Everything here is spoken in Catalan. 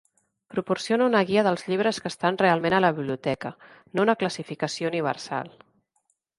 Proporciona una guia dels llibres que estan realment a la biblioteca, no una classificació universal.